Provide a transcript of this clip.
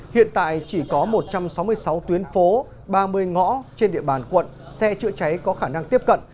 hiện tại chỉ có một trăm sáu mươi sáu tuyến phố ba mươi ngõ trên địa bàn quận xe chữa cháy có khả năng tiếp cận